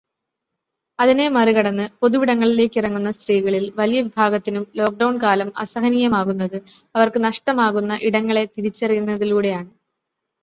അതിനെ മറികടന്ന് പൊതുവിടങ്ങളിലേക്കിറങ്ങുന്ന സ്ത്രീകളിൽ വലിയ വിഭാഗത്തിനും ലോക്ക്ഡൗൺ കാലം അസഹനീയമാകുന്നത് അവർക്ക് നഷ്ടമാകുന്ന ഇടങ്ങളെ തിരിച്ചറിയുന്നതിലൂടെയാണ്.